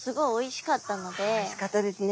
おいしかったですね。